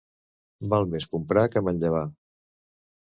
Val més comprar que manllevar.